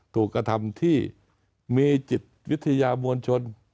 ถูกกระทำที่มีจิตวิทยามวลชน